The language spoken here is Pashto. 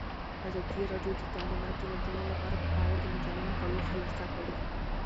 ازادي راډیو د تعلیمات د نجونو لپاره په اړه د مجلو مقالو خلاصه کړې.